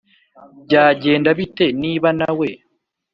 Byagenda bite niba nawe